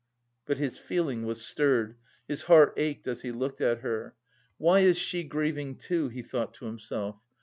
But his feeling was stirred; his heart ached, as he looked at her. "Why is she grieving too?" he thought to himself.